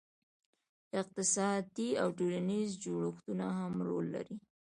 اقتصادي او ټولنیز جوړښتونه هم رول لري.